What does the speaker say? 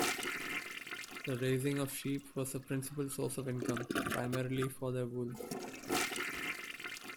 The raising of sheep was a principal source of income, primarily for their wool.